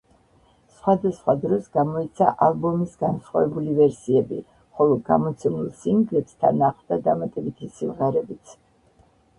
სხვადასხვა დროს გამოიცა ალბომის განსხვავებული ვერსიები, ხოლო გამოცემულ სინგლებს თან ახლდა დამატებითი სიმღერებიც.